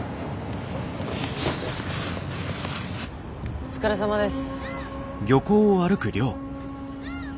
お疲れさまです。